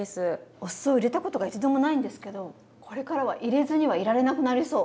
お酢を入れたことが一度もないんですけどこれからは入れずにはいられなくなりそう。